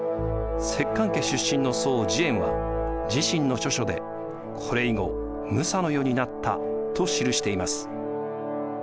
摂関家出身の僧慈円は自身の著書で「これ以後武者の世になった」と記しています。